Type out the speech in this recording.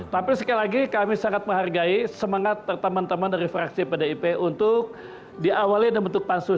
tapi sekali lagi kami sangat menghargai semangat teman teman dari fraksi pdip untuk diawali dalam bentuk pansus